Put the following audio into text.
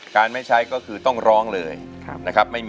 ไม่ใช้ก็คือต้องร้องเลยนะครับ